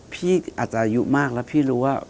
พี่อาจจะอายุมากแล้วพี่รู้ว่า